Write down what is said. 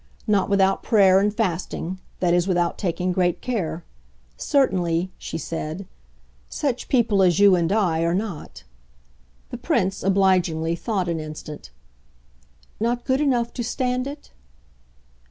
Not without prayer and fasting that is without taking great care. Certainly," she said, "such people as you and I are not." The Prince, obligingly, thought an instant. "Not good enough to stand it?"